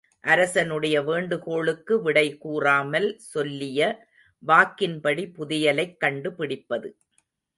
அரசனுடைய வேண்டுகோளுக்கு விடை கூறாமல் சொல்லிய வாக்கின்படி புதையலைக் கண்டு பிடிப்பது.